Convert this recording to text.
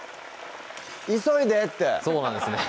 「急いで！」ってそうなんですね